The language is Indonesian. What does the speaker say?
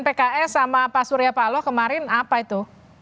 pks sama pak surya paloh kemarin apa itu